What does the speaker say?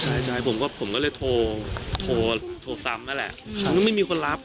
ใช่ใช่ผมก็ผมก็เลยโทรโทรโทรซ้ำแล้วแหละไม่มีคนรับ